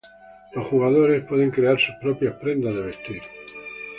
Los jugadores pueden crear sus propias prendas de vestir.